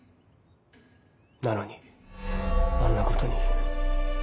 なのにあんな事に。